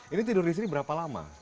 ini tidur di sini berapa lama